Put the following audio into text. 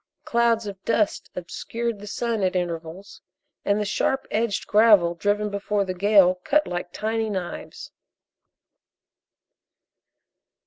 Clouds of dust obscured the sun at intervals, and the sharp edged gravel driven before the gale cut like tiny knives.